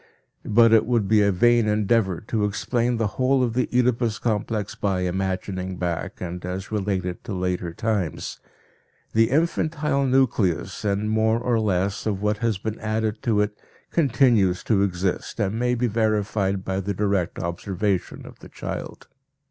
But it would be a vain endeavor to explain the whole of the Oedipus complex by "imagining back," and as related to later times. The infantile nucleus and more or less of what has been added to it continues to exist and may be verified by the direct observation of the child.